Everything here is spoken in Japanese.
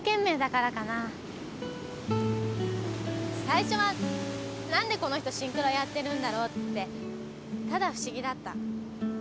最初は何でこの人シンクロやってるんだろうってただ不思議だった。